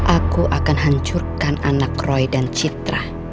aku akan hancurkan anak roy dan citra